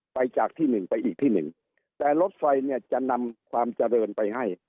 จากที่หนึ่งไปอีกที่หนึ่งแต่รถไฟเนี่ยจะนำความเจริญไปให้